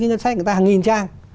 ngân sách người ta hàng nghìn trang